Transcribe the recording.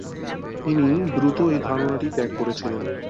তিনি দ্রুত এই ধারণাটি ত্যাগ করেছিলেন।